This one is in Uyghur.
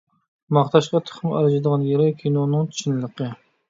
ماختاشقا تېخىمۇ ئەرزىيدىغان يېرى، كىنونىڭ چىنلىقى.